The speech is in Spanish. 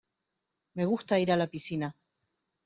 Me gusta ir a la piscina.